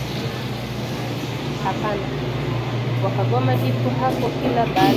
Hapana!, wakagoma ndipo hapo kila baada ya